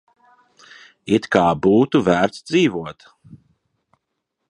It kā būtu vērts dzīvot.